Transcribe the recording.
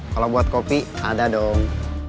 kalau buat kopi ada dong